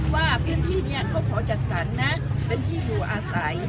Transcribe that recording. ว่าพื้นที่นี้ก็ขอจัดสรรนะเป็นที่อยู่อาศัย